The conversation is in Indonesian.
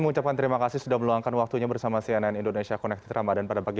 mengucapkan terima kasih sudah meluangkan waktunya bersama cnn indonesia connected ramadan pada pagi